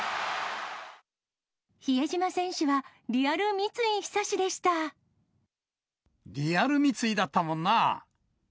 比江島選手はリアル三井寿でリアル三井だったもんな。